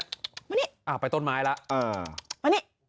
อะมันไปต้นไม้แล้ว